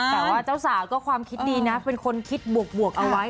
แต่ว่าเจ้าสาวก็ความคิดดีนะเป็นคนคิดบวกเอาไว้